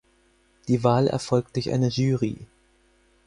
Die Wahl erfolgt durch eine Jury.